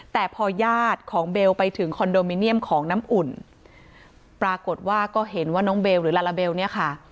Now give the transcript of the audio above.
แต่พอญาติของเบลไปถึงคอนโดมิเนียมของน้ำอุ่นปรากฏว่าก็เห็นว่าน้องเบลหรือลาลาเบลเนี่ยค่ะ